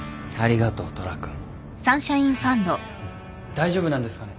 大丈夫なんですかね？